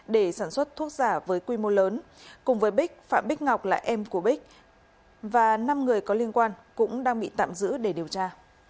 để sản xuất thuốc giả với quy mô lớn cùng với bích phạm bích ngọc là em của bích và năm người có liên quan cũng đang bị tạm giữ để điều tra